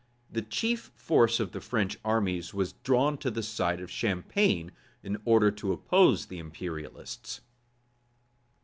The chief force of the French armies was drawn to the side of Champagne, in order to oppose the imperialists.